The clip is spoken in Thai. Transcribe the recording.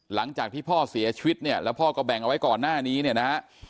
หลังจากที่พ่อเสียชีวิตเนี่ยแล้วพ่อก็แบ่งเอาไว้ก่อนหน้านี้เนี่ยนะฮะ